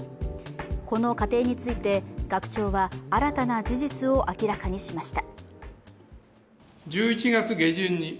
この過程について学長は新たな事実を明らかにしました。